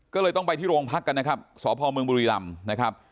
ก็เลยต้องไปที่โรงพักกันนะครับสพเมืองบุรีรำนะครับ